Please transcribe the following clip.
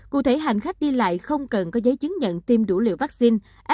cụ thể hành khách đi lại không cần có giấy chứng nhận tiêm đủ liều vaccine